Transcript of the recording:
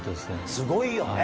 すごいよね。